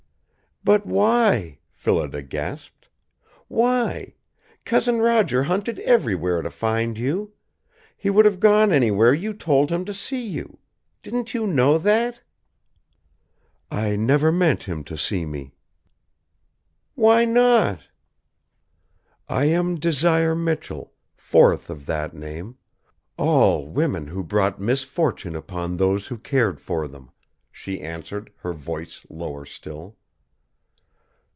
"But why?" Phillida gasped. "Why? Cousin Roger hunted everywhere to find you. He would have gone anywhere you told him to see you. Didn't you know that?" "I never meant him to see me." "Why not?" "I am Desire Michell, fourth of that name; all women who brought misfortune upon those who cared for them," she answered, her voice lower still.